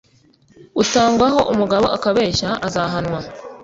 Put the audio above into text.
utangwaho umugabo akabeshya, azahanwa